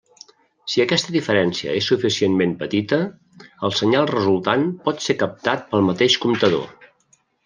Si aquesta diferència és suficientment petita, el senyal resultant pot ser captat pel mateix comptador.